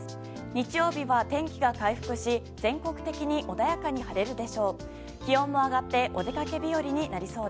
日曜日は天気が回復し、全国的に穏やかに晴れるでしょう。